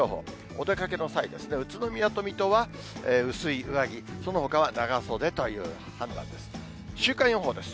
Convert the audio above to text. お出かけの際ですね、宇都宮と水戸は、薄い上着、そのほかは長袖という判断です。